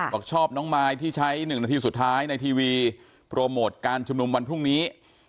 บอกชอบน้องมายที่ใช้๑นาทีสุดท้ายในทีวีโปรโมทการชุมนุมวันพรุ่งนี้